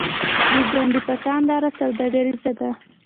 د ډنډ پټان لاره سوداګریزه ده